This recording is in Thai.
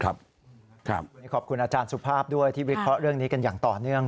วันนี้ขอบคุณอาจารย์สุภาพด้วยที่วิเคราะห์เรื่องนี้กันอย่างต่อเนื่อง